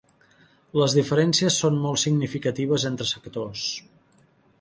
Les diferències són molt significatives entre sectors.